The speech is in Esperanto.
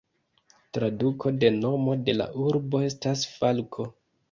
Traduko de nomo de la urbo estas "falko".